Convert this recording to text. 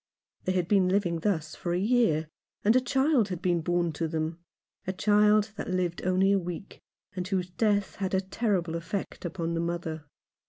They had been living thus for a year, and a child had been born to them ; a child that lived only a week, and whose death had a terrible effect upon the mother.